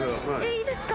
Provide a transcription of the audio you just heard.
いいんすか？